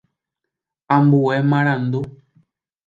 Ambue marandu.